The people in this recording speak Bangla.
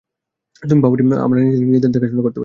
তুমি ভাবোনি আমরা নিজেরাই নিজেদের দেখাশোনা করতে পারি।